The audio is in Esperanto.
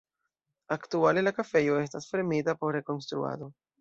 Aktuale la kafejo estas fermita por rekonstruado.